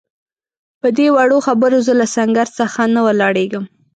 پدې وړو خبرو زه له سنګر څخه نه ولاړېږم.